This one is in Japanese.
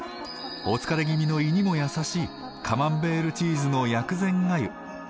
お疲れ気味の胃にも優しいカマンベールチーズの薬膳がゆ。